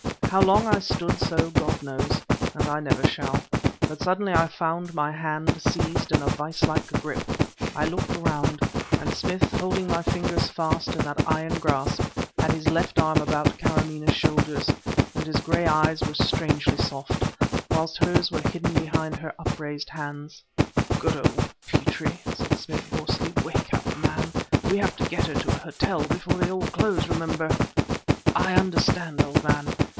How long I stood so God knows, and I never shall; but suddenly I found my hand seized in a vice like grip, I looked around ... and Smith, holding my fingers fast in that iron grasp, had his left arm about Kâramaneh's shoulders, and his gray eyes were strangely soft, whilst hers were hidden behind her upraised hands. "Good old Petrie!" said Smith hoarsely. "Wake up, man; we have to get her to a hotel before they all close, remember. I understand, old man.